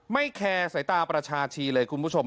แคร์สายตาประชาชีเลยคุณผู้ชม